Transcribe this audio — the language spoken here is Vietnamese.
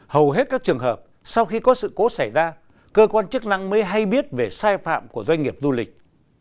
hầu hết các trường hợp sau khi có sự cố xảy ra cơ quan chức năng mới hay biết về sai phạm của doanh nghiệp du lịch